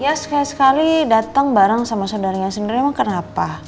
ya sekali sekali datang bareng sama saudaranya sendiri emang kenapa